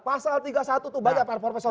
pasal tiga puluh satu itu banyak pak profesor